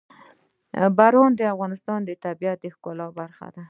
باران د افغانستان د طبیعت د ښکلا برخه ده.